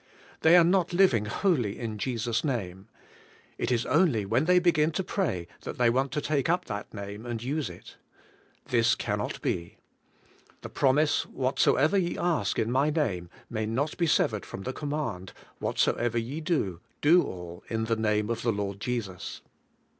They are not living wholly in Jesus' name; it is only when they begin to pray that they want to take up that name and use it. This cannot be. The promise, ' What soever ye ash in my name^ ' may not be severed from the command, 'Whatsoever ye do, do all in the name of the Lord Jesus.'